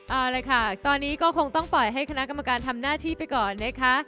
เอาเลยค่ะตอนนี้ก็คงต้องปล่อยให้คณะกรรมการทำหน้าที่ไปก่อนนะคะ